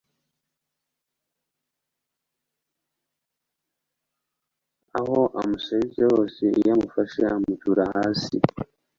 aho amusarize hose iyo amufashe amutura hasi,...